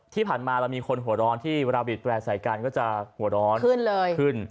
ที่ผ่านมาเรามีคนหัวร้อนที่เวลาบีดแร่ใส่กันก็จะหัวร้อนขึ้นเลยขึ้น